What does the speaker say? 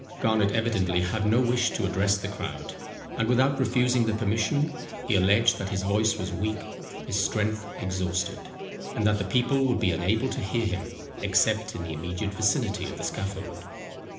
Garnet evidently had no wish to address the crowd; and without refusing the permission, he alleged that his voice was weak, his strength exhausted, and that the people would be unable to hear him, except in the immediate vicinity of the scaffold.